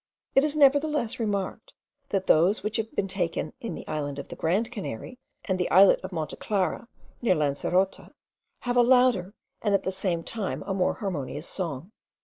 It is nevertheless remarked, that those which have been taken in the island of the Great Canary, and in the islet of Monte Clara, near Lancerota, have a louder and at the same time a more harmonious song.